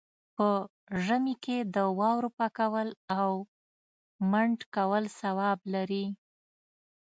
په ژمي کې د واورو پاکول او منډ کول ثواب لري.